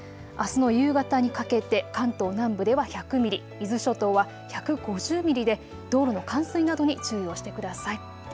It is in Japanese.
あすの夕方にかけて関東南部では１００ミリ、伊豆諸島は１５０ミリで道路の冠水などに注意をしてください。